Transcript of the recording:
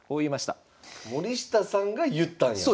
森下さんが言ったんや。